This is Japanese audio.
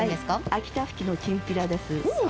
秋田ふきのきんぴらです。